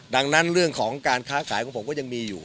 ดังนั้นเรื่องของการค้าขายของผมก็ยังมีอยู่